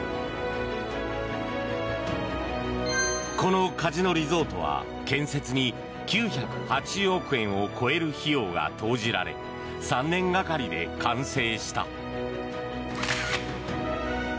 このカジノリゾートは建設に９８０億円を超える費用が投じられ３年がかりで完成した。